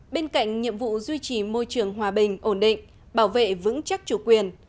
bên cạnh nhiệm vụ duy trì môi trường hòa bình ổn định bảo vệ vững chắc chủ quyền